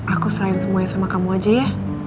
aku sign semuanya sama kamu aja ya